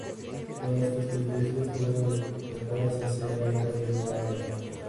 Todas estas características fueron descartadas hacia la mitad de la guerra.